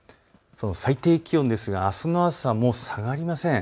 最低気温ですがあすの朝も下がりません。